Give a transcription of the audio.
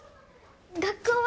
学校は？